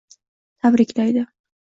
Tabriklaydi